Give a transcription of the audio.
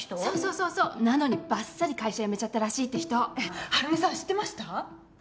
そうそうなのにバッサリ会社辞めちゃったらしいって人晴美さん知ってました？